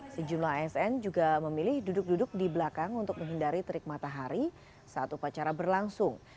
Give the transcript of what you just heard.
sejumlah asn juga memilih duduk duduk di belakang untuk menghindari terik matahari saat upacara berlangsung